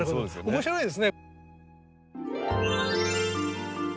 面白いですね。